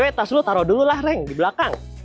btw tas lu taruh dulu lah reng di belakang